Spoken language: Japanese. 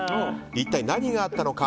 一体何があったのか。